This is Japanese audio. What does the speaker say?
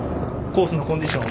コースのコンディション